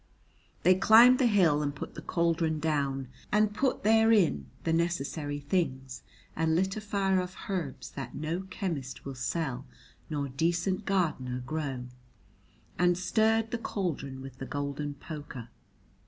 They climbed the hill and put the cauldron down, and put there in the necessary things, and lit a fire of herbs that no chemist will sell nor decent gardener grow, and stirred the cauldron with the golden poker.